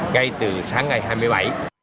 ngay từ sáng ngày hai mươi bảy